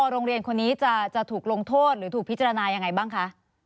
โรงเรียนคนนี้จะถูกลงโทษหรือถูกพิจารณายังไงบ้างคะ